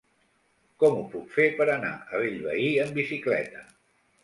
Com ho puc fer per anar a Bellvei amb bicicleta?